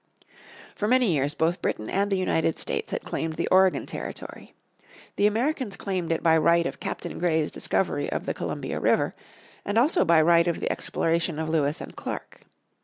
For many years both Britain and the United States had claimed the Oregon Territory. The Americans claimed it by right of Captain Gray's discovery of the Columbia River, and also by right of the exploration of Lewis and Clark.